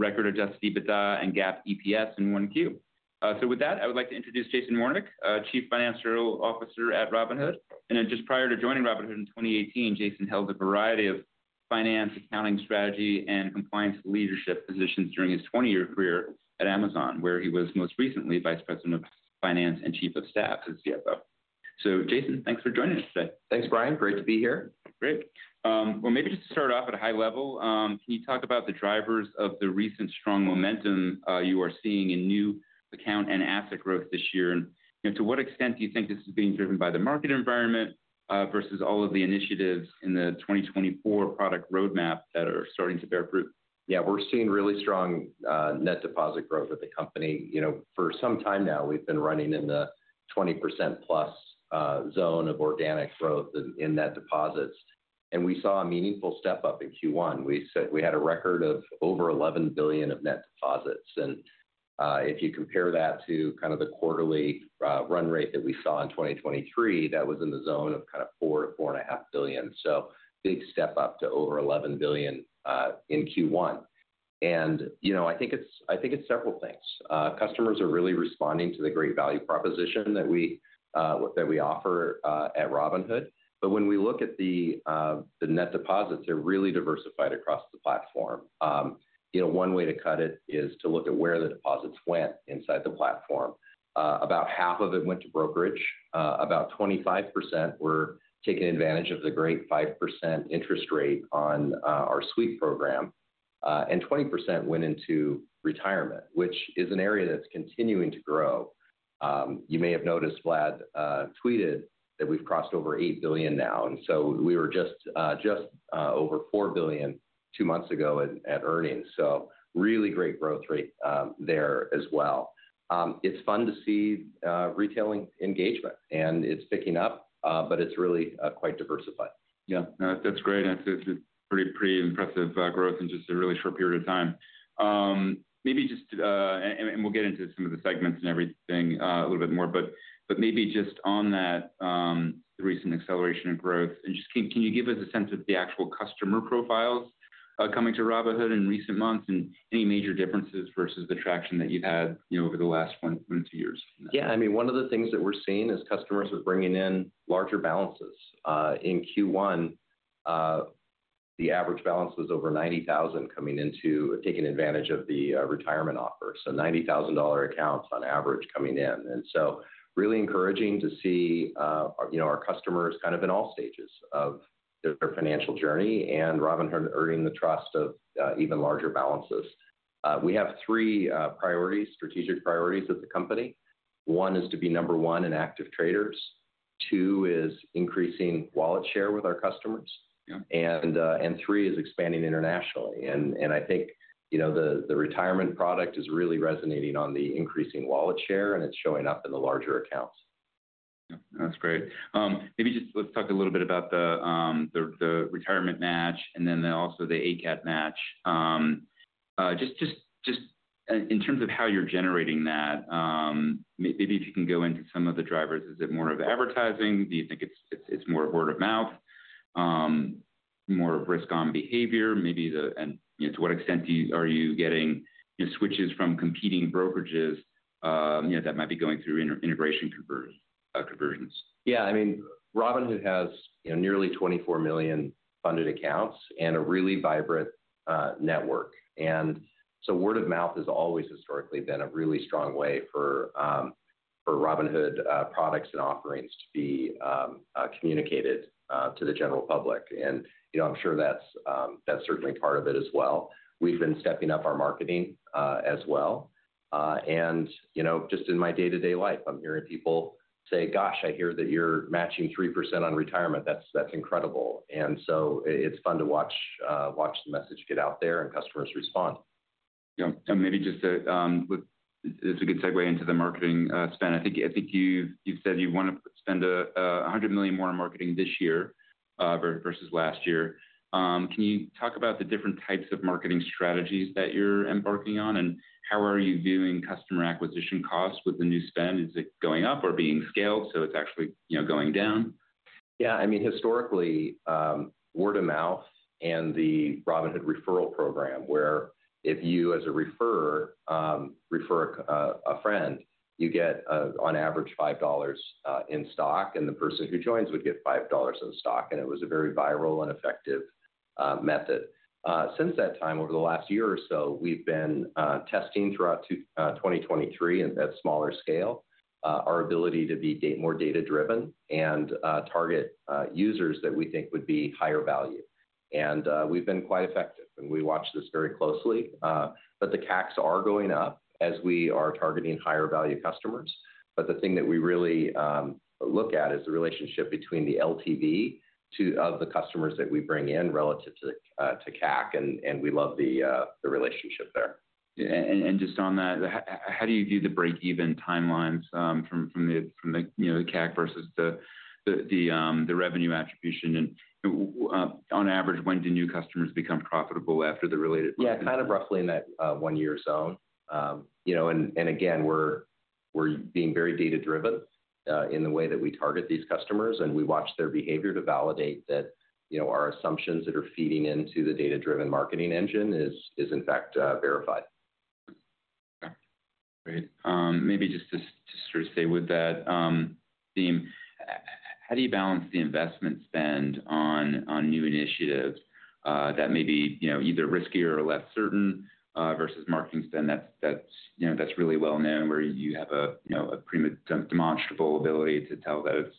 Record adjusted EBITDA and GAAP EPS in one Q. So with that, I would like to introduce Jason Warnick, Chief Financial Officer at Robinhood. And then just prior to joining Robinhood in 2018, Jason held a variety of finance, accounting, strategy, and compliance leadership positions during his 20-year career at Amazon, where he was most recently Vice President of Finance and Chief of Staff to the CFO. So Jason, thanks for joining us today. Thanks, Brian. Great to be here. Great. Well, maybe just to start off at a high level, can you talk about the drivers of the recent strong momentum you are seeing in new account and asset growth this year? And to what extent do you think this is being driven by the market environment versus all of the initiatives in the 2024 product roadmap that are starting to bear fruit? Yeah, we're seeing really strong net deposit growth at the company. You know, for some time now, we've been running in the 20%+ zone of organic growth in net deposits, and we saw a meaningful step-up in Q1. We said we had a record of over $11 billion of net deposits, and if you compare that to kind of the quarterly run rate that we saw in 2023, that was in the zone of kind of $4 billion-$4.5 billion. So big step up to over $11 billion in Q1. And, you know, I think it's several things. Customers are really responding to the great value proposition that we offer at Robinhood. But when we look at the net deposits, they're really diversified across the platform. You know, one way to cut it is to look at where the deposits went inside the platform. About half of it went to brokerage. About 25% were taking advantage of the great 5% interest rate on our sweep program, and 20% went into retirement, which is an area that's continuing to grow. You may have noticed Vlad tweeted that we've crossed over $8 billion now, and so we were just over $4 billion two months ago at earnings. So really great growth rate there as well. It's fun to see retail engagement, and it's picking up, but it's really quite diversified. Yeah, no, that's great, and it's pretty impressive growth in just a really short period of time. Maybe just... And we'll get into some of the segments and everything a little bit more, but maybe just on that, the recent acceleration of growth, and just can you give us a sense of the actual customer profiles coming to Robinhood in recent months, and any major differences versus the traction that you've had, you know, over the last one to two years? Yeah, I mean, one of the things that we're seeing is customers are bringing in larger balances. In Q1, the average balance was over $90,000 coming into taking advantage of the retirement offer, so $90,000 accounts on average coming in. And so really encouraging to see, you know, our customers kind of in all stages of their financial journey, and Robinhood earning the trust of even larger balances. We have three priorities, strategic priorities at the company. One is to be number one in active traders, two is increasing wallet share with our customers- Yeah... and three is expanding internationally. And I think, you know, the retirement product is really resonating on the increasing wallet share, and it's showing up in the larger accounts. Yeah, that's great. Maybe just let's talk a little bit about the retirement match and then also the ACAT match. Just in terms of how you're generating that, maybe if you can go into some of the drivers. Is it more of advertising? Do you think it's more word of mouth, more of risk on behavior? And, you know, to what extent are you getting, you know, switches from competing brokerages, you know, that might be going through integration coverage? Yeah, I mean, Robinhood has, you know, nearly 24 million funded accounts and a really vibrant network. And so word of mouth has always historically been a really strong way for Robinhood products and offerings to be communicated to the general public. And, you know, I'm sure that's certainly part of it as well. We've been stepping up our marketing as well. And, you know, just in my day-to-day life, I'm hearing people say, "Gosh, I hear that you're matching 3% on retirement. That's incredible." And so it's fun to watch the message get out there and customers respond. Yeah. And maybe just to with... It's a good segue into the marketing spend. I think, I think you've, you've said you want to spend $100 million more on marketing this year versus last year. Can you talk about the different types of marketing strategies that you're embarking on, and how are you viewing customer acquisition costs with the new spend? Is it going up or being scaled, so it's actually, you know, going down? Yeah, I mean, historically, word of mouth and the Robinhood referral program, where if you, as a referrer, refer a friend, you get, on average, $5 in stock, and the person who joins would get $5 in stock, and it was a very viral and effective method. Since that time, over the last year or so, we've been testing throughout 2023 at smaller scale, our ability to be more data-driven and target users that we think would be higher value. And we've been quite effective, and we watch this very closely. But the CACs are going up as we are targeting higher-value customers. But the thing that we really look at is the relationship between the LTV of the customers that we bring in relative to CAC, and we love the relationship there. Yeah. And just on that, how do you view the break-even timelines from the, you know, the CAC versus the revenue attribution? And on average, when do new customers become profitable after the related- Yeah, kind of roughly in that one-year zone. You know, and, and again, we're being very data-driven in the way that we target these customers, and we watch their behavior to validate that, you know, our assumptions that are feeding into the data-driven marketing engine is in fact verified. Great. Maybe just to stay with that theme, how do you balance the investment spend on new initiatives that may be, you know, either riskier or less certain versus marketing spend that's really well known, where you have a, you know, some demonstrable ability to tell that it's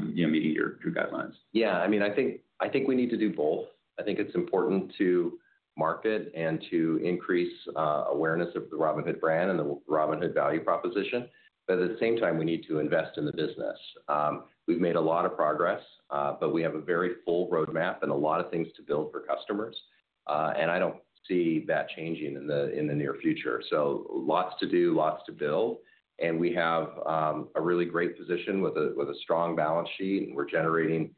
meeting your guidelines? Yeah, I mean, I think, I think we need to do both. I think it's important to market and to increase awareness of the Robinhood brand and the Robinhood value proposition, but at the same time, we need to invest in the business. We've made a lot of progress, but we have a very full roadmap and a lot of things to build for customers, and I don't see that changing in the near future. So lots to do, lots to build. And we have a really great position with a strong balance sheet, and we're generating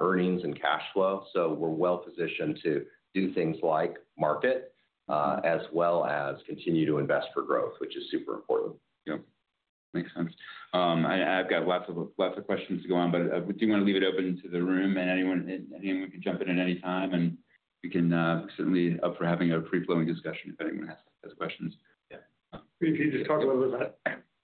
earnings and cash flow. So we're well positioned to do things like market, as well as continue to invest for growth, which is super important. Yep, makes sense. I've got lots of questions to go on, but we do want to leave it open to the room, and anyone can jump in at any time, and we can certainly up for having a free-flowing discussion if anyone has questions. Yeah. If you just talk a little bit about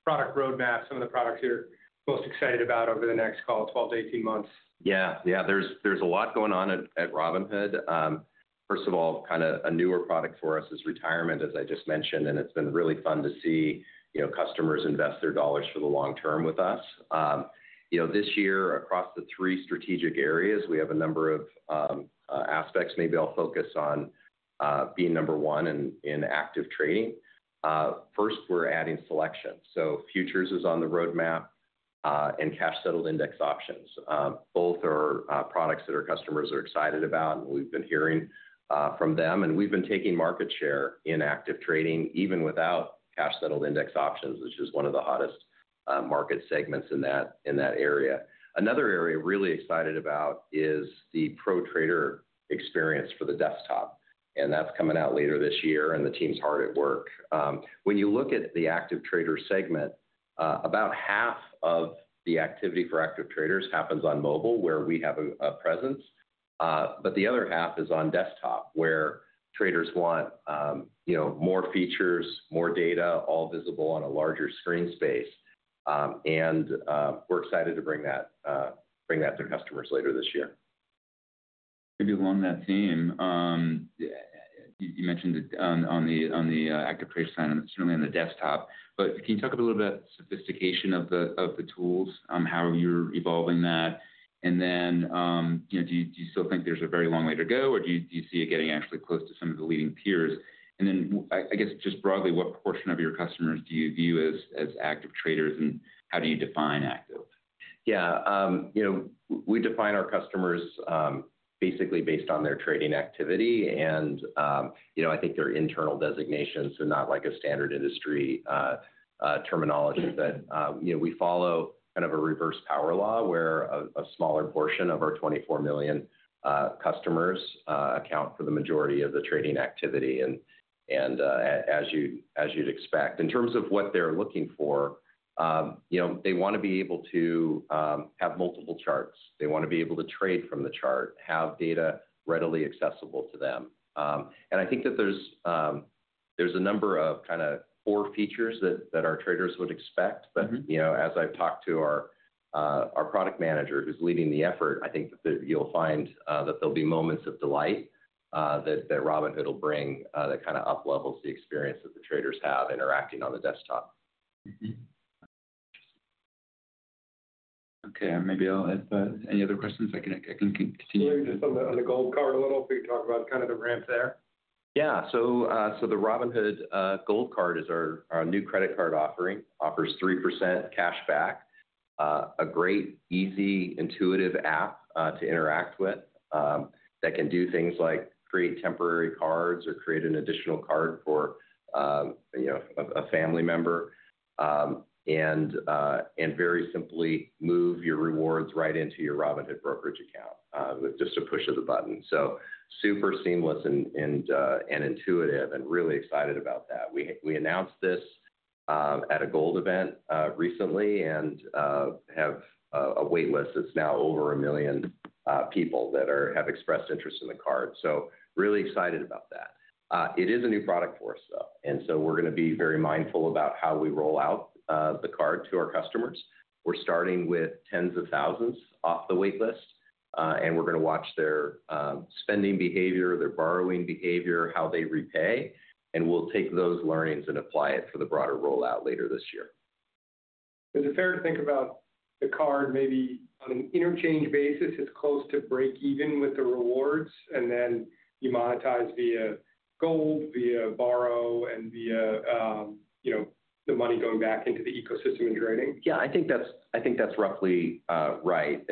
product roadmap, some of the products you're most excited about over the next, call it, 12-18 months. Yeah, yeah, there's a lot going on at Robinhood. First of all, kind of a newer product for us is retirement, as I just mentioned, and it's been really fun to see, you know, customers invest their dollars for the long term with us. You know, this year, across the three strategic areas, we have a number of aspects. Maybe I'll focus on being number one in active trading. First, we're adding selection. So futures is on the roadmap, and cash-settled index options. Both are products that our customers are excited about, and we've been hearing from them, and we've been taking market share in active trading, even without cash-settled index options, which is one of the hottest market segments in that area. Another area we're really excited about is the pro trader experience for the desktop, and that's coming out later this year, and the team's hard at work. When you look at the active trader segment, about half of the activity for active traders happens on mobile, where we have a presence, but the other half is on desktop, where traders want, you know, more features, more data, all visible on a larger screen space. And we're excited to bring that, bring that to customers later this year. Maybe along that theme, you mentioned it on the active trade side, and it's certainly on the desktop. But can you talk a little about sophistication of the tools, on how you're evolving that? And then, you know, do you still think there's a very long way to go, or do you see it getting actually close to some of the leading peers? And then, I guess, just broadly, what proportion of your customers do you view as active traders, and how do you define active? Yeah, you know, we define our customers basically based on their trading activity. And you know, I think they're internal designations, so not like a standard industry terminology that you know, we follow kind of a reverse power law, where a smaller portion of our 24 million customers account for the majority of the trading activity, and as you'd expect. In terms of what they're looking for, you know, they want to be able to have multiple charts. They want to be able to trade from the chart, have data readily accessible to them. And I think that there's a number of kind of core features that our traders would expect. Mm-hmm. But, you know, as I've talked to our product manager, who's leading the effort, I think that you'll find that there'll be moments of delight that Robinhood will bring that kind of up-levels the experience that the traders have interacting on the desktop. Mm-hmm. Okay, maybe I'll add... Any other questions? I can, I can continue- On the Gold Card a little, could you talk about kind of the ramp there? Yeah. So, so the Robinhood Gold Card is our, our new credit card offering, offers 3% cashback. A great, easy, intuitive app to interact with, that can do things like create temporary cards or create an additional card for, you know, a family member, and, and very simply move your rewards right into your Robinhood brokerage account, with just a push of a button. So super seamless and, and, and intuitive, and really excited about that. We, we announced this, at a Gold event, recently and, have a, a wait list that's now over 1 million people that have expressed interest in the card. So really excited about that. It is a new product for us, though, and so we're gonna be very mindful about how we roll out the card to our customers. We're starting with tens of thousands off the wait list, and we're gonna watch their spending behavior, their borrowing behavior, how they repay, and we'll take those learnings and apply it for the broader rollout later this year. Is it fair to think about the card maybe on an interchange basis, it's close to breakeven with the rewards, and then you monetize via Gold, via Borrow and via, you know, the money going back into the ecosystem and trading? Yeah, I think that's, I think that's roughly right.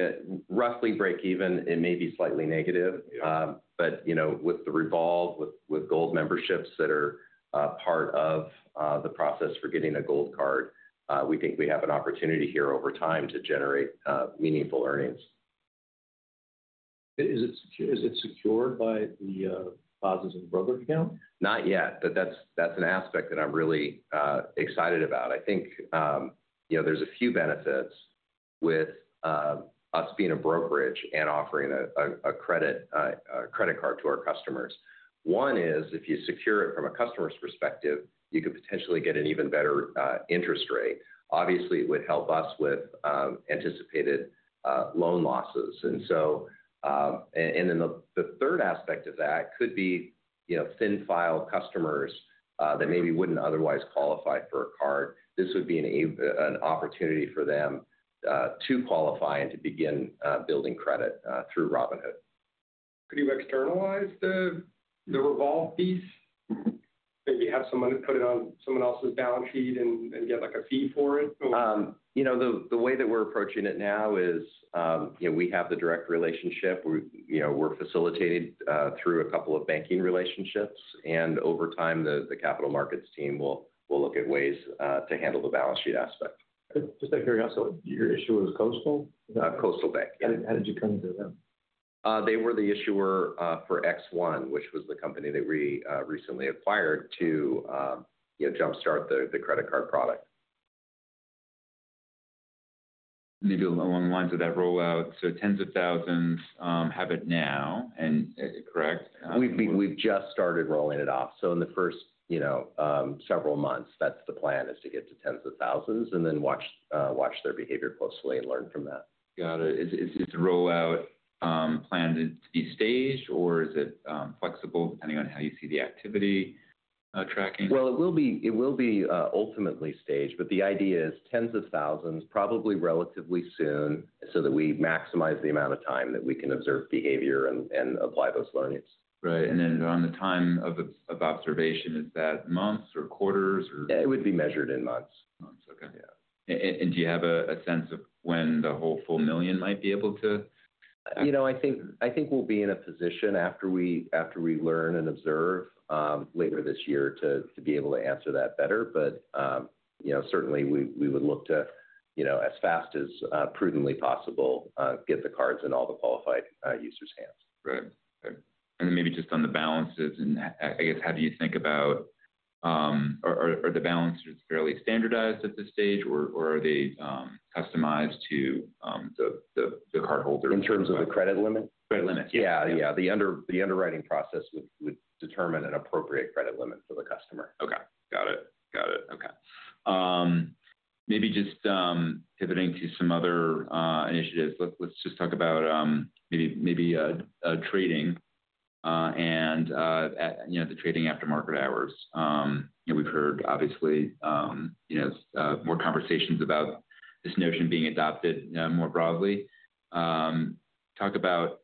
Roughly breakeven, it may be slightly negative. Yeah. But, you know, with Gold memberships that are part of the process for getting a Gold card, we think we have an opportunity here over time to generate meaningful earnings.... Is it secured by the deposits in the brokerage account? Not yet, but that's an aspect that I'm really excited about. I think, you know, there's a few benefits with us being a brokerage and offering a credit card to our customers. One is, if you secure it from a customer's perspective, you could potentially get an even better interest rate. Obviously, it would help us with anticipated loan losses. And so, and then the third aspect of that could be, you know, thin-file customers that maybe wouldn't otherwise qualify for a card. This would be an opportunity for them to qualify and to begin building credit through Robinhood. Could you externalize the revolve piece? Maybe have someone put it on someone else's balance sheet and get, like, a fee for it? You know, the way that we're approaching it now is, you know, we have the direct relationship. We, you know, we're facilitated through a couple of banking relationships, and over time, the capital markets team will look at ways to handle the balance sheet aspect. Just out of curiosity, your issuer was Coastal? Coastal Bank, yeah. How did you come to them? They were the issuer for X1, which was the company that we recently acquired to, you know, jumpstart the credit card product. Maybe along the lines of that rollout, so tens of thousands have it now, and is it correct? We've just started rolling it off. So in the first, you know, several months, that's the plan, is to get to tens of thousands, and then watch their behavior closely and learn from that. Got it. Is the rollout planned to be staged, or is it flexible, depending on how you see the activity tracking? Well, it will be, it will be, ultimately staged, but the idea is tens of thousands, probably relatively soon, so that we maximize the amount of time that we can observe behavior and apply those learnings. Right. And then on the time of observation, is that months or quarters, or? Yeah, it would be measured in months. Months, okay. Yeah. Do you have a sense of when the whole full million might be able to...? You know, I think we'll be in a position after we learn and observe later this year to be able to answer that better. But you know, certainly we would look to, you know, as fast as prudently possible get the cards in all the qualified users' hands. Right. Right. And then maybe just on the balances, and I guess, how do you think about... Or, are the balances fairly standardized at this stage, or are they customized to the cardholder? In terms of the credit limit? Credit limit, yeah. Yeah. Yeah, the underwriting process would determine an appropriate credit limit for the customer. Okay, got it. Got it. Okay. Maybe just pivoting to some other initiatives. Let's just talk about maybe trading and at, you know, the trading aftermarket hours. You know, we've heard, obviously, you know, more conversations about this notion being adopted more broadly. Talk about...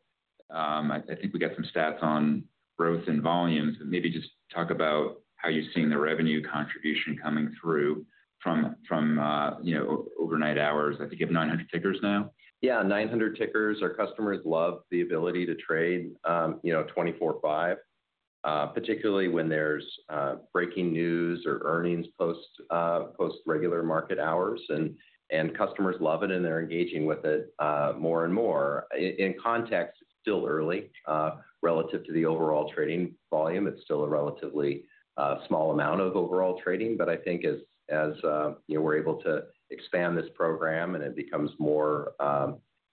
I think we got some stats on growth and volumes, but maybe just talk about how you're seeing the revenue contribution coming through from, you know, overnight hours. I think you have 900 tickers now? Yeah, 900 tickers. Our customers love the ability to trade, you know, 24/5, particularly when there's breaking news or earnings post post-regular market hours. And customers love it, and they're engaging with it more and more. In context, it's still early. Relative to the overall trading volume, it's still a relatively small amount of overall trading, but I think as you know, we're able to expand this program and it becomes more,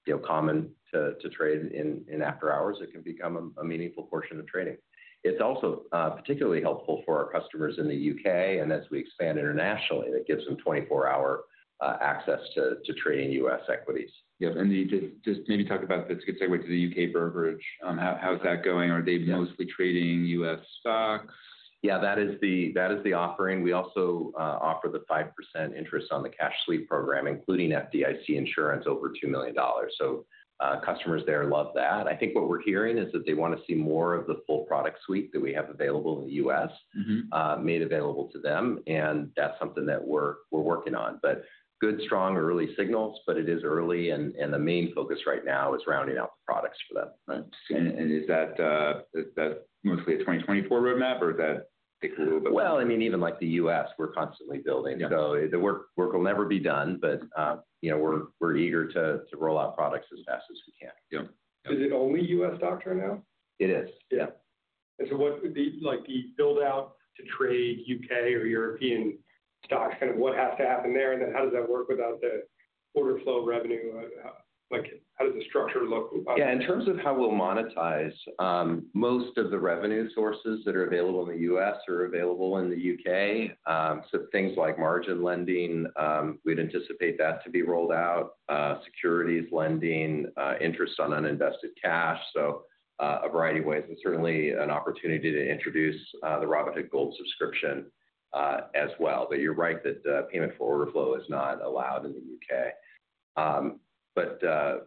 you know, common to trade in after hours, it can become a meaningful portion of trading. It's also particularly helpful for our customers in the U.K., and as we expand internationally, it gives them 24-hour access to trading U.S. equities. Yeah, and just maybe talk about, this could segue to the U.K. brokerage, how is that going? Yeah. Are they mostly trading U.S. stocks? Yeah, that is the, that is the offering. We also offer the 5% interest on the cash sweep program, including FDIC insurance, over $2 million. So, customers there love that. I think what we're hearing is that they wanna see more of the full product suite that we have available in the U.S.- Mm-hmm made available to them, and that's something that we're working on. But good, strong, early signals, but it is early, and the main focus right now is rounding out the products for them. Right. And is that mostly a 2024 roadmap, or is that a little bit- Well, I mean, even like the U.S., we're constantly building. Yeah. So the work will never be done, but, you know, we're eager to roll out products as fast as we can. Yep. Is it only U.S. stocks right now? It is, yeah. And so what would be, like, the build-out to trade U.K. or European stocks? Kind of what has to happen there, and then how does that work without the order flow revenue? Like, how does the structure look? Yeah, in terms of how we'll monetize, most of the revenue sources that are available in the U.S. are available in the U.K. So, things like margin lending, we'd anticipate that to be rolled out, securities lending, interest on uninvested cash. So, a variety of ways, and certainly an opportunity to introduce the Robinhood Gold subscription, as well. But you're right, that payment for order flow is not allowed in the U.K. But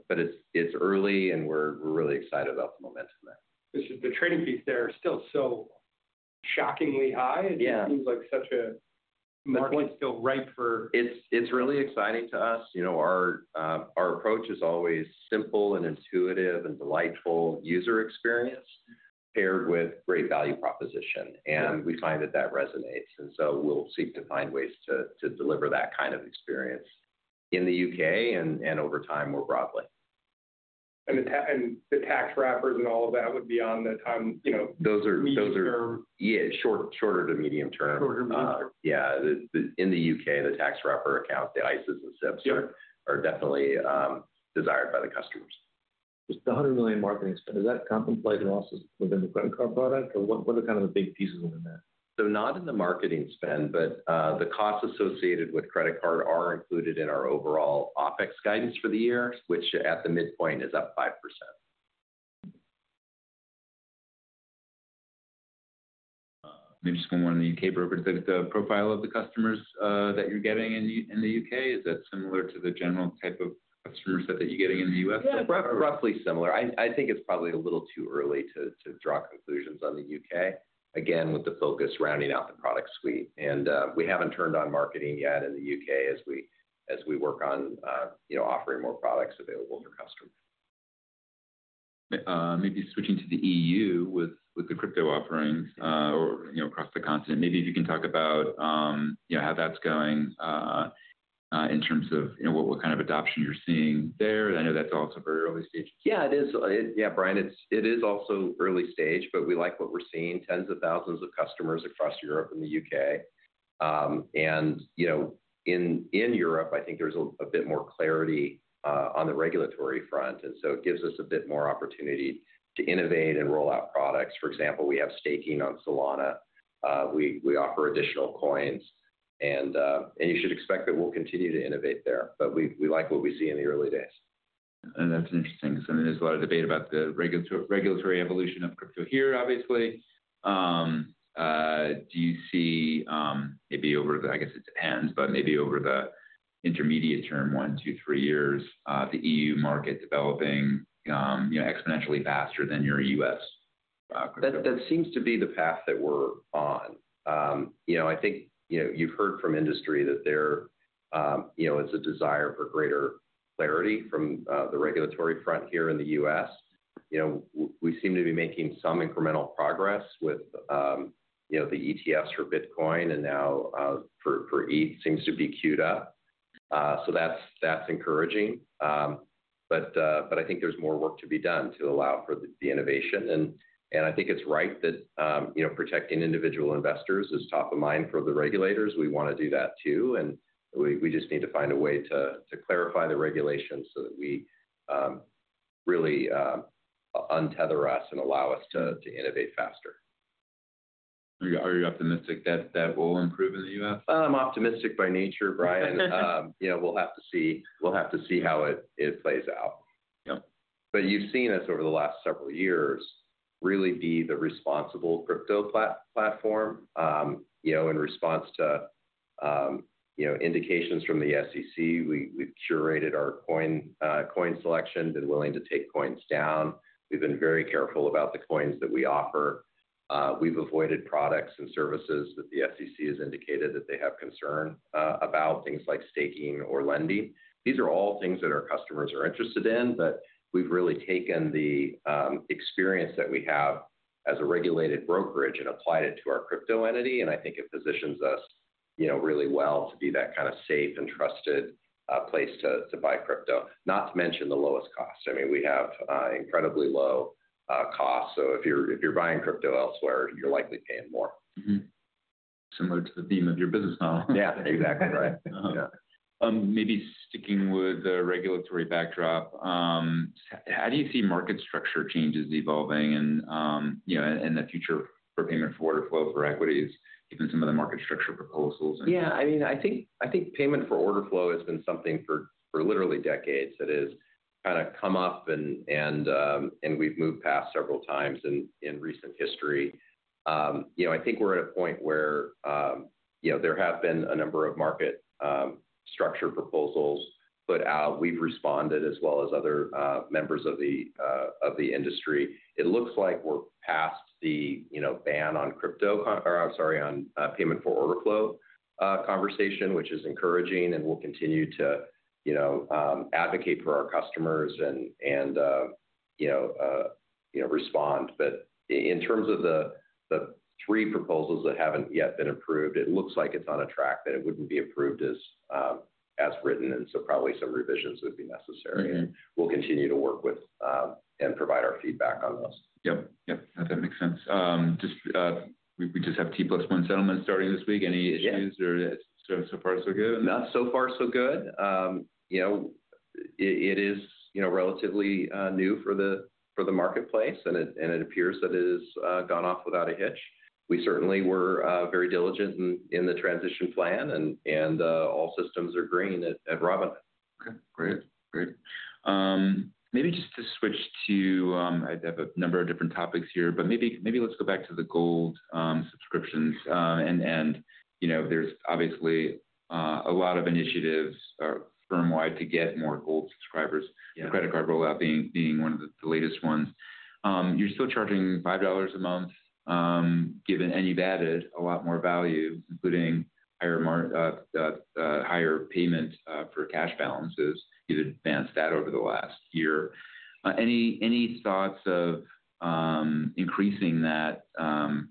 it's early, and we're really excited about the momentum there. This is the trading fees there are still so shockingly high. Yeah. It seems like such a- Good point market's still ripe for- It's really exciting to us. You know, our approach is always simple and intuitive and delightful user experience, paired with great value proposition, and- Yeah... we find that that resonates, and so we'll seek to find ways to deliver that kind of experience ... in the U.K. and over time, more broadly. And the tax wrappers and all of that would be on the timeline, you know. Those are- Medium-term. Yeah, short, shorter to medium term. Shorter to medium term. Yeah, in the U.K., the tax wrapper accounts, the ISAs and SIPPs- Yep - are definitely desired by the customers. Just the $100 million marketing spend, does that contemplate the losses within the credit card product? Or what, what are kind of the big pieces within that? So not in the marketing spend, but the costs associated with credit card are included in our overall OpEx guidance for the year, which at the midpoint, is up 5%. Maybe just going on the U.K. brokerage, is the profile of the customers that you're getting in the U.K., is that similar to the general type of customer set that you're getting in the U.S.? Yeah, roughly similar. I think it's probably a little too early to draw conclusions on the U.K., again, with the focus rounding out the product suite. And we haven't turned on marketing yet in the UK as we work on, you know, offering more products available for customers. Maybe switching to the EU with the crypto offerings, or, you know, across the continent. Maybe if you can talk about, you know, how that's going, in terms of, you know, what kind of adoption you're seeing there. I know that's also very early stage. Yeah, it is. Yeah, Brian, it's, it is also early stage, but we like what we're seeing, tens of thousands of customers across Europe and the U.K.. And, you know, in Europe, I think there's a bit more clarity on the regulatory front, and so it gives us a bit more opportunity to innovate and roll out products. For example, we have staking on Solana. We, we offer additional coins, and you should expect that we'll continue to innovate there, but we, we like what we see in the early days. And that's interesting because, I mean, there's a lot of debate about the regulatory evolution of crypto here, obviously. Do you see, maybe over the, I guess it depends, but maybe over the intermediate term, 1, 2, 3 years, the EU market developing, you know, exponentially faster than your US, crypto? That seems to be the path that we're on. You know, I think, you know, you've heard from industry that there, you know, it's a desire for greater clarity from the regulatory front here in the U.S.. You know, we seem to be making some incremental progress with, you know, the ETFs for Bitcoin, and now, for ETH seems to be queued up. So that's encouraging. But I think there's more work to be done to allow for the innovation. I think it's right that, you know, protecting individual investors is top of mind for the regulators. We want to do that, too, and we just need to find a way to clarify the regulations so that we really untether us and allow us to innovate faster. Are you optimistic that will improve in the U.S.? I'm optimistic by nature, Brian. You know, we'll have to see. We'll have to see how it plays out. Yep. But you've seen us over the last several years, really be the responsible crypto platform. You know, in response to, you know, indications from the SEC, we, we've curated our coin selection, been willing to take coins down. We've been very careful about the coins that we offer. We've avoided products and services that the SEC has indicated that they have concern about, things like staking or lending. These are all things that our customers are interested in, but we've really taken the experience that we have as a regulated brokerage and applied it to our crypto entity, and I think it positions us, you know, really well to be that kind of safe and trusted place to buy crypto, not to mention the lowest cost. I mean, we have incredibly low costs, so if you're buying crypto elsewhere, you're likely paying more. Mm-hmm. Similar to the theme of your business model. Yeah, exactly right. Yeah. Maybe sticking with the regulatory backdrop, how do you see market structure changes evolving and, you know, and the future for Payment for Order Flow for equities, given some of the market structure proposals? Yeah, I mean, I think, I think Payment for Order Flow has been something for literally decades that has kind of come up and we've moved past several times in recent history. You know, I think we're at a point where you know there have been a number of market structure proposals, but we've responded as well as other members of the industry. It looks like we're past the you know ban on crypto con- or I'm sorry, on Payment for Order Flow conversation, which is encouraging, and we'll continue to you know advocate for our customers and respond. But in terms of the three proposals that haven't yet been approved, it looks like it's on a track that it wouldn't be approved as, as written, and so probably some revisions would be necessary. Mm-hmm. We'll continue to work with and provide our feedback on those. Yep, yep, that makes sense. Just, we just have T+1 settlement starting this week. Yeah. Any issues or so far, so good? So far, so good. You know, it is, you know, relatively new for the marketplace, and it appears that it has gone off without a hitch. We certainly were very diligent in the transition plan, and all systems are green at Robinhood. Okay, great. Great. Maybe just to switch to, I have a number of different topics here, but maybe, maybe let's go back to the Gold subscriptions. And, and, you know, there's obviously a lot of initiatives are firm-wide to get more Gold subscribers. Yeah. The credit card rollout being one of the latest ones. You're still charging $5 a month, given, and you've added a lot more value, including higher payments for cash balances. You've advanced that over the last year. Any thoughts of increasing that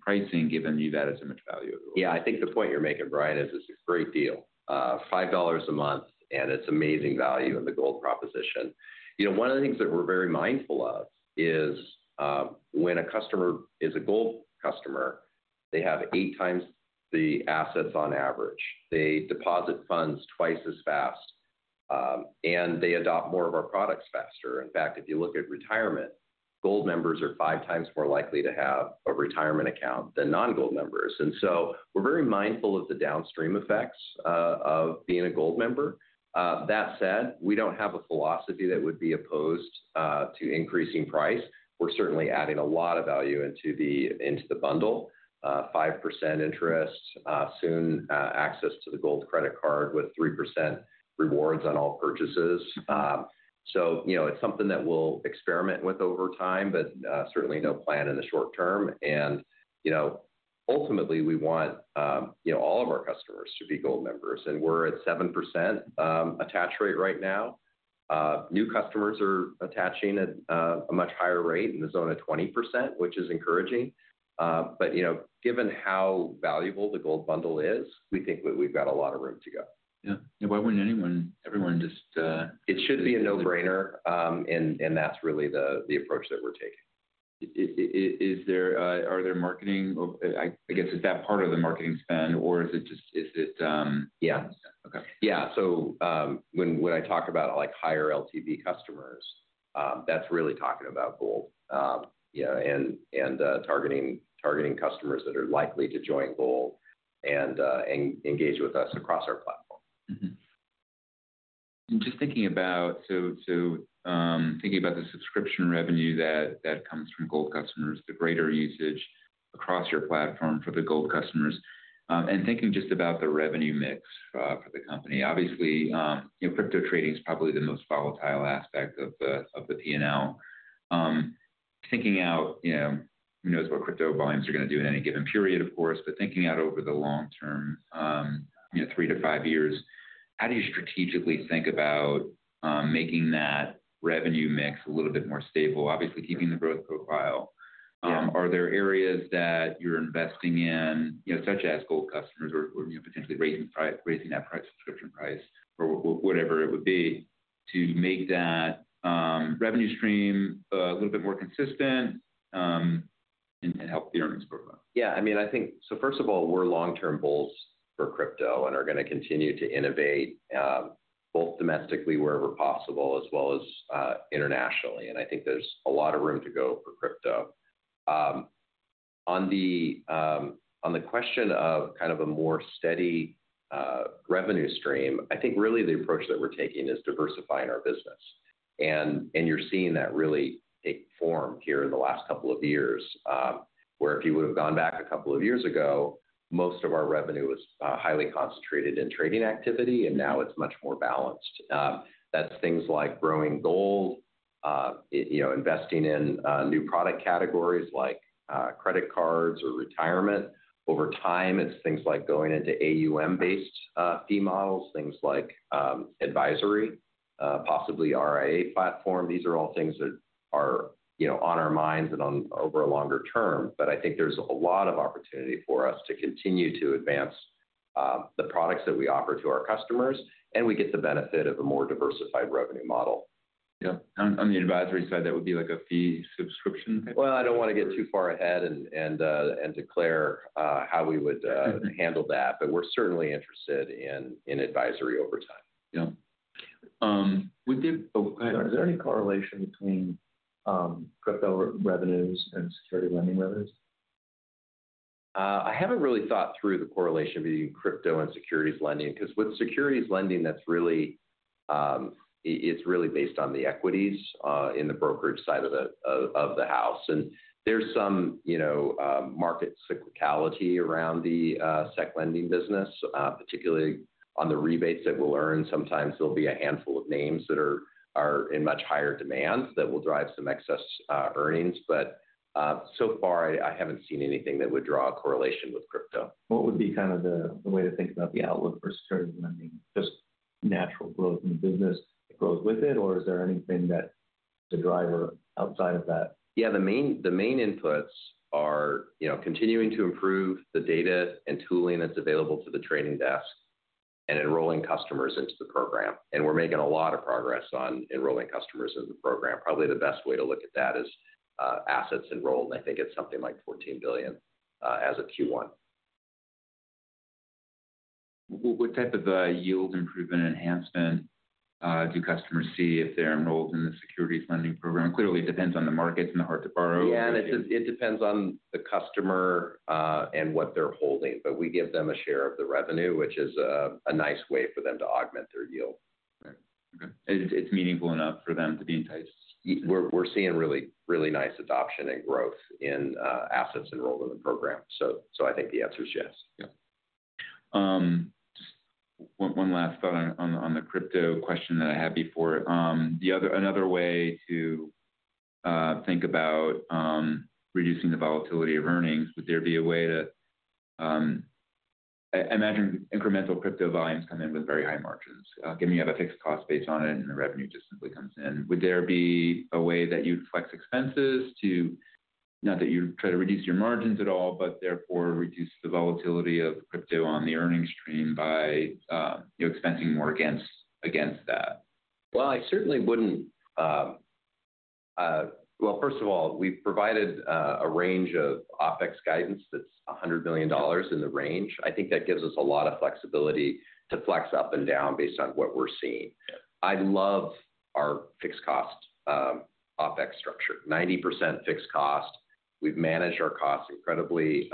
pricing, given you've added so much value? Yeah, I think the point you're making, Brian, is it's a great deal. $5 a month, and it's amazing value in the Gold proposition. You know, one of the things that we're very mindful of is, when a customer is a Gold customer, they have 8 times the assets on average. They deposit funds twice as fast, and they adopt more of our products faster. In fact, if you look at retirement, Gold members are five times more likely to have a retirement account than non-Gold members. And so we're very mindful of the downstream effects, of being a Gold member. That said, we don't have a philosophy that would be opposed, to increasing price. We're certainly adding a lot of value into the, into the bundle, 5% interest, soon, access to the Gold credit card with 3% rewards on all purchases. So, you know, it's something that we'll experiment with over time, but, certainly no plan in the short term. And, you know, ultimately, we want, you know, all of our customers to be Gold members, and we're at 7%, attach rate right now. New customers are attaching at, a much higher rate in the zone of 20%, which is encouraging. But, you know, given how valuable the Gold bundle is, we think we've got a lot of room to go. Yeah, and why wouldn't anyone, everyone, just... It should be a no-brainer, and that's really the approach that we're taking. Is there... Are there marketing or I guess, is that part of the marketing spend, or is it just, is it Yeah. Okay. Yeah. So, when I talk about, like, higher LTV customers, that's really talking about Gold, yeah, and targeting customers that are likely to join Gold and engage with us across our platform. Mm-hmm. And just thinking about the subscription revenue that comes from Gold customers, the greater usage across your platform for the Gold customers, and thinking just about the revenue mix for the company. Obviously, you know, crypto trading is probably the most volatile aspect of the P&L. Thinking out, you know, who knows what crypto volumes are going to do in any given period, of course, but thinking out over the long term, you know, three-five years, how do you strategically think about making that revenue mix a little bit more stable? Obviously, keeping the growth profile. Yeah. Are there areas that you're investing in, you know, such as Gold customers or, you know, potentially raising price, raising that price, subscription price, or whatever it would be, to make that revenue stream a little bit more consistent, and help the earnings program? Yeah, I mean, I think... So first of all, we're long-term bulls for crypto and are going to continue to innovate, both domestically, wherever possible, as well as, internationally. And I think there's a lot of room to go for crypto. On the, on the question of kind of a more steady, revenue stream, I think really the approach that we're taking is diversifying our business. And, and you're seeing that really take form here in the last couple of years, where if you would have gone back a couple of years ago, most of our revenue was, highly concentrated in trading activity, and now it's much more balanced. That's things like growing Gold, you know, investing in, new product categories like, credit cards or retirement. Over time, it's things like going into AUM-based fee models, things like advisory, possibly RIA platform. These are all things that are, you know, on our minds and over a longer term. But I think there's a lot of opportunity for us to continue to advance the products that we offer to our customers, and we get the benefit of a more diversified revenue model. Yeah. On the advisory side, that would be, like, a fee subscription type? Well, I don't want to get too far ahead and declare how we would handle that, but we're certainly interested in advisory over time. Yeah. Oh, go ahead. Is there any correlation between crypto revenues and securities lending revenues? I haven't really thought through the correlation between crypto and securities lending, because with securities lending, that's really, it's really based on the equities in the brokerage side of the house. And there's some, you know, market cyclicality around the securities lending business, particularly on the rebates that we'll earn. Sometimes there'll be a handful of names that are in much higher demand that will drive some excess earnings. But so far, I haven't seen anything that would draw a correlation with crypto. What would be kind of the way to think about the outlook for securities lending? Just natural growth in the business grows with it, or is there anything that is a driver outside of that? Yeah, the main inputs are, you know, continuing to improve the data and tooling that's available to the trading desk and enrolling customers into the program. We're making a lot of progress on enrolling customers in the program. Probably the best way to look at that is, assets enrolled, I think it's something like $14 billion, as of Q1. What type of yield improvement enhancement do customers see if they're enrolled in the securities lending program? Clearly, it depends on the markets and the hard to borrow. Yeah, and it just, it depends on the customer, and what they're holding, but we give them a share of the revenue, which is, a nice way for them to augment their yield. Right. Okay. And it's meaningful enough for them to be enticed? We're seeing really, really nice adoption and growth in assets enrolled in the program. So I think the answer is yes. Yeah. Just one last thought on the crypto question that I had before. Another way to think about reducing the volatility of earnings, would there be a way to... I imagine incremental crypto volumes come in with very high margins, given you have a fixed cost base on it, and the revenue just simply comes in. Would there be a way that you'd flex expenses to, not that you try to reduce your margins at all, but therefore reduce the volatility of crypto on the earnings stream by, you know, expensing more against that? Well, I certainly wouldn't, well, first of all, we've provided a range of OpEx guidance that's $100 million in the range. I think that gives us a lot of flexibility to flex up and down based on what we're seeing. I love our fixed cost OpEx structure, 90% fixed cost. We've managed our costs incredibly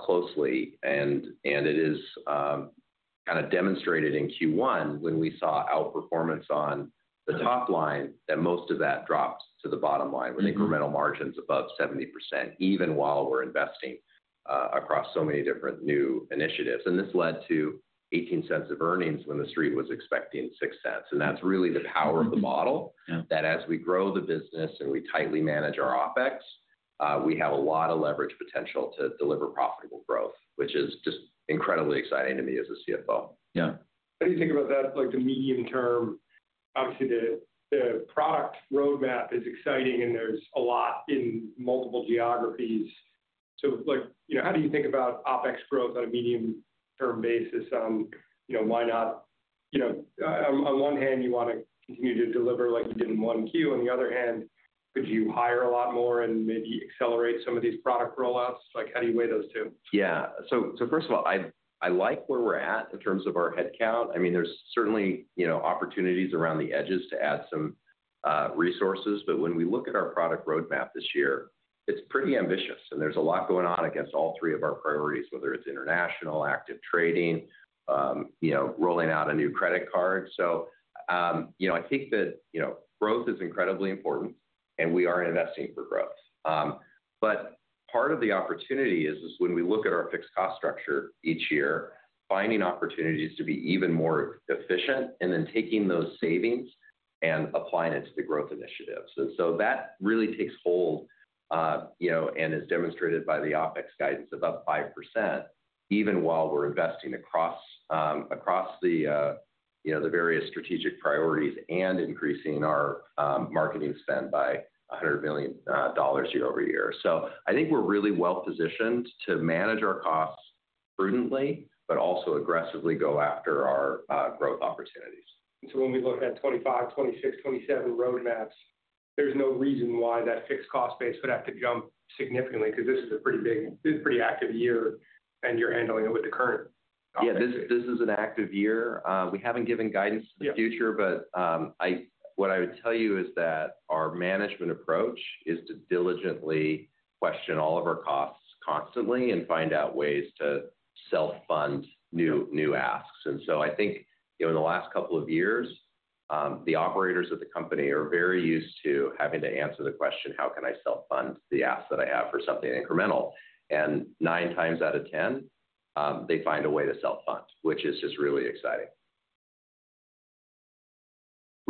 closely, and it is kind of demonstrated in Q1 when we saw outperformance on the top line, that most of that dropped to the bottom line with incremental margins above 70%, even while we're investing across so many different new initiatives. And this led to $0.18 of earnings when the street was expecting $0.06. That's really the power of the model, that as we grow the business and we tightly manage our OpEx, we have a lot of leverage potential to deliver profitable growth, which is just incredibly exciting to me as a CFO. Yeah. How do you think about that, like, the medium term? Obviously, the product roadmap is exciting, and there's a lot in multiple geographies. So like, you know, how do you think about OpEx growth on a medium-term basis? You know, why not—you know, on one hand, you want to continue to deliver like you did in 1Q, on the other hand, could you hire a lot more and maybe accelerate some of these product rollouts? Like, how do you weigh those two? Yeah. So first of all, I like where we're at in terms of our headcount. I mean, there's certainly, you know, opportunities around the edges to add some resources. But when we look at our product roadmap this year, it's pretty ambitious, and there's a lot going on against all three of our priorities, whether it's international, active trading, you know, rolling out a new credit card. So, you know, I think that, you know, growth is incredibly important, and we are investing for growth. But part of the opportunity is when we look at our fixed cost structure each year, finding opportunities to be even more efficient, and then taking those savings and applying it to the growth initiatives. And so that really takes hold, you know, and is demonstrated by the OpEx guidance above 5%, even while we're investing across the, you know, the various strategic priorities and increasing our marketing spend by $100 million year-over-year. So I think we're really well positioned to manage our costs prudently, but also aggressively go after our growth opportunities. So when we look at 2025, 2026, 2027 roadmaps, there's no reason why that fixed cost base would have to jump significantly, because this is a pretty big, this is a pretty active year, and you're handling it with the current. Yeah, this, this is an active year. We haven't given guidance to the future, but, what I would tell you is that our management approach is to diligently question all of our costs constantly and find out ways to self-fund new, new asks. And so I think, you know, in the last couple of years, the operators of the company are very used to having to answer the question: How can I self-fund the ask that I have for something incremental? And nine times out of ten, they find a way to self-fund, which is just really exciting.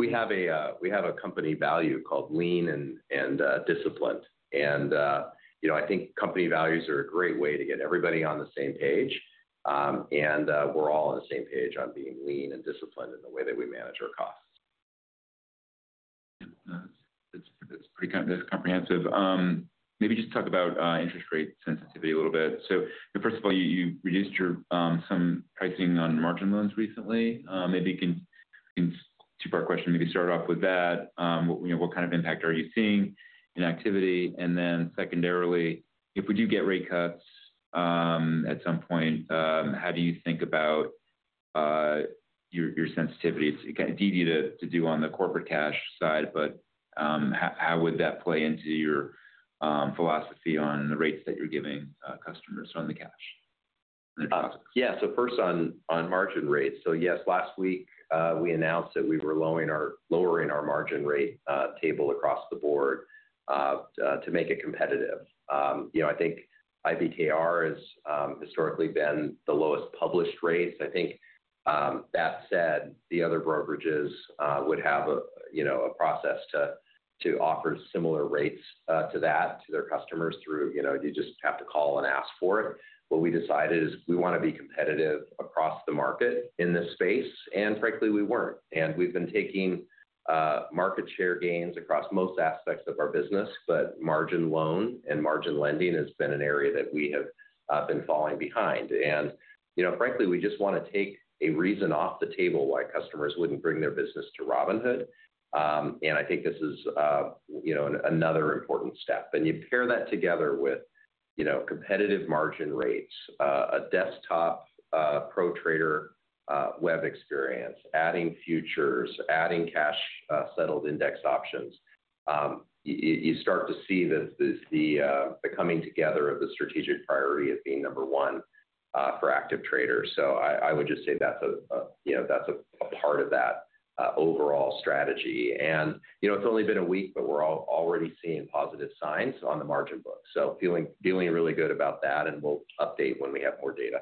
We have a, we have a company value called lean and, and, disciplined. And, you know, I think company values are a great way to get everybody on the same page. We're all on the same page on being lean and disciplined in the way that we manage our costs. Yeah, that's pretty comprehensive. Maybe just talk about interest rate sensitivity a little bit. So first of all, you reduced your some pricing on margin loans recently. Maybe you can. Two-part question, maybe start off with that. You know, what kind of impact are you seeing in activity? And then secondarily, if we do get rate cuts at some point, how do you think about your sensitivity? It's kind of easy to do on the corporate cash side, but how would that play into your philosophy on the rates that you're giving customers on the cash? Yeah. So first on margin rates. So yes, last week, we announced that we were lowering our margin rate table across the board to make it competitive. You know, I think IBKR has historically been the lowest published rates. I think that said, the other brokerages would have a process to offer similar rates to that to their customers through you know, you just have to call and ask for it. What we decided is we want to be competitive across the market in this space, and frankly, we weren't. And we've been taking market share gains across most aspects of our business, but margin loan and margin lending has been an area that we have been falling behind. You know, frankly, we just want to take a reason off the table why customers wouldn't bring their business to Robinhood. I think this is, you know, another important step. You pair that together with, you know, competitive margin rates, a desktop pro trader web experience, adding futures, adding cash-settled index options, you start to see this, the coming together of the strategic priority of being number one for active traders. So I would just say that's a, you know, that's a part of that overall strategy. You know, it's only been a week, but we're already seeing positive signs on the margin book. So feeling really good about that, and we'll update when we have more data.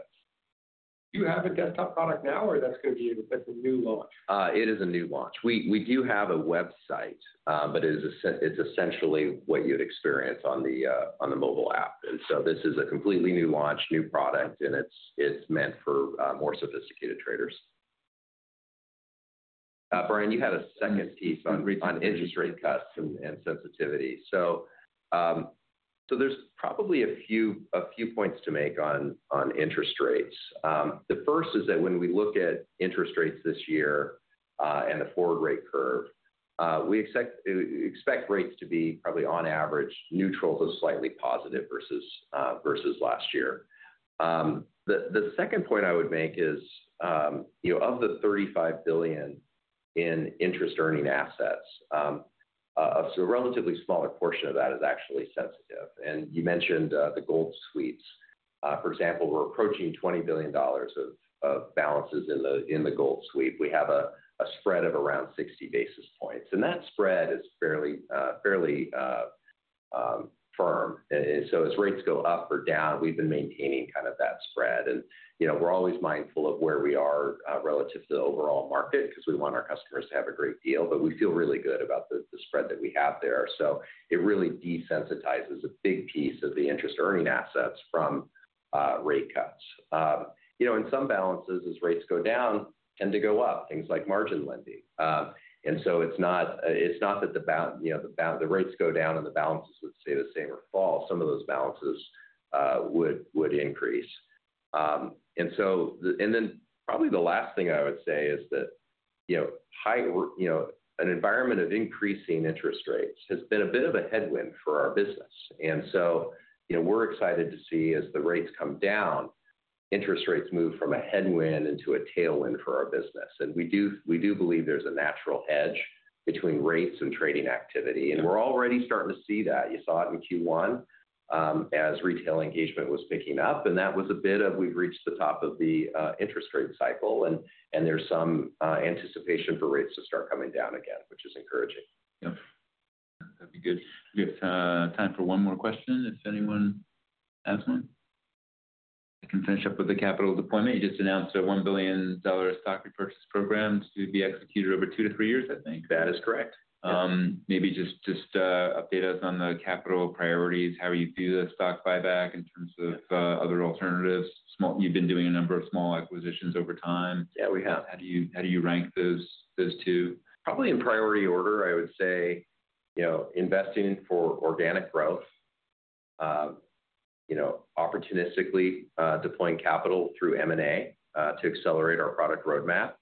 Do you have a desktop product now, or that's going to be a new launch? It is a new launch. We do have a website, but it is essentially what you'd experience on the mobile app. So this is a completely new launch, new product, and it's meant for more sophisticated traders. Brian, you had a second piece on interest rate cuts and sensitivity. So there's probably a few points to make on interest rates. The first is that when we look at interest rates this year and the forward rate curve, we expect rates to be probably on average neutral to slightly positive versus last year. The second point I would make is, you know, of the $35 billion in interest earning assets, so a relatively smaller portion of that is actually sensitive. And you mentioned the Robinhood Gold. For example, we're approaching $20 billion of balances in the Robinhood Gold. We have a spread of around 60 basis points, and that spread is fairly firm. And so as rates go up or down, we've been maintaining kind of that spread. And, you know, we're always mindful of where we are relative to the overall market, because we want our customers to have a great deal, but we feel really good about the spread that we have there. So it really desensitizes a big piece of the interest-earning assets from rate cuts. You know, in some balances, as rates go down, tend to go up, things like margin lending. It's not that the balances, you know, the rates go down and the balances would stay the same or fall. Some of those balances would increase. And then probably the last thing I would say is that, you know, high or... You know, an environment of increasing interest rates has been a bit of a headwind for our business. And so, you know, we're excited to see, as the rates come down, interest rates move from a headwind into a tailwind for our business. And we do believe there's a natural hedge between rates and trading activity, and we're already starting to see that. You saw it in Q1, as retail engagement was picking up, and that was a bit of we've reached the top of the interest rate cycle, and there's some anticipation for rates to start coming down again, which is encouraging. Yeah, that'd be good. We have time for one more question, if anyone has one. I can finish up with the capital deployment. You just announced a $1 billion stock repurchase program to be executed over two-three years, I think. That is correct. Maybe just update us on the capital priorities, how you do the stock buyback in terms of other alternatives. You've been doing a number of small acquisitions over time. Yeah, we have. How do you rank those two? Probably in priority order, I would say, you know, investing for organic growth, you know, opportunistically, deploying capital through M&A, to accelerate our product roadmap.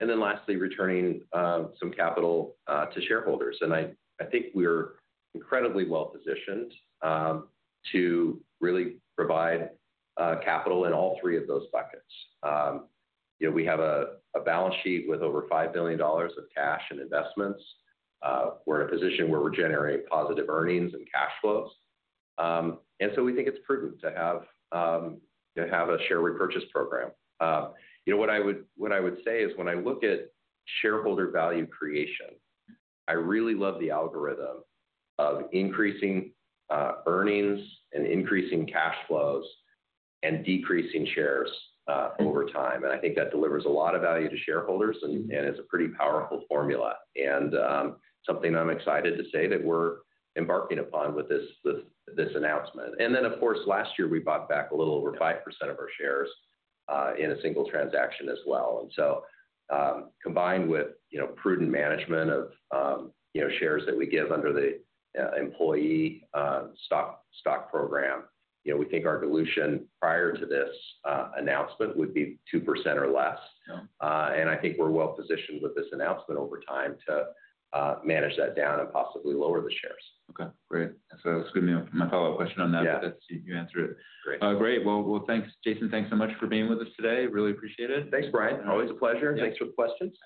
And then lastly, returning some capital to shareholders. And I, I think we're incredibly well positioned to really provide capital in all three of those buckets. You know, we have a balance sheet with over $5 billion of cash and investments. We're in a position where we're generating positive earnings and cash flows. And so we think it's prudent to have a share repurchase program. You know, what I would say is, when I look at shareholder value creation, I really love the algorithm of increasing earnings and increasing cash flows, and decreasing shares over time. And I think that delivers a lot of value to shareholders and it's a pretty powerful formula, and something I'm excited to say that we're embarking upon with this announcement. And then, of course, last year, we bought back a little over 5% of our shares in a single transaction as well. And so, combined with, you know, prudent management of, you know, shares that we give under the employee stock program, you know, we think our dilution prior to this announcement would be 2% or less. Yeah. I think we're well positioned with this announcement over time to manage that down and possibly lower the shares. Okay, great. So that's good to know. My follow-up question on that- Yeah. But you answered it. Great. Great. Well, thanks, Jason. Thanks so much for being with us today. Really appreciate it. Thanks, Brian. Always a pleasure. Thanks for the questions.